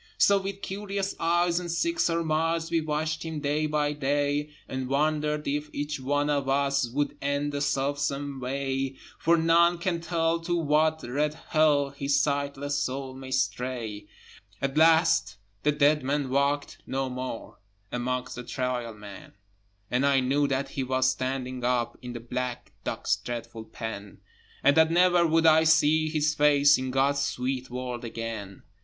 So with curious eyes and sick surmise We watched him day by day, And wondered if each one of us Would end the self same way, For none can tell to what red Hell His sightless soul may stray. At last the dead man walked no more Amongst the Trial Men, And I knew that he was standing up In the black dock's dreadful pen, And that never would I see his face In God's sweet world again.